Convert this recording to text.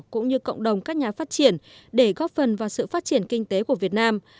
cũng như cộng đồng các nhà phát triển để góp phần vào sự phát triển kinh tế của việt nam